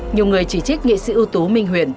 nhiều người chỉ trích nghệ sĩ ưu tú minh huyền